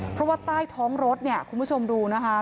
เพราะว่าใต้ท้องรถเนี่ยคุณผู้ชมดูนะคะ